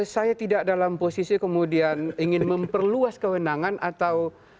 saya tidak dalam posisi kemudian ingin memperluas kewenangan atau